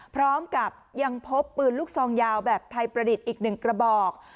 พร้อมกับยังพบปืนลูกซองยาวแบบไทยประดิษฐ์อีก๑กระบอก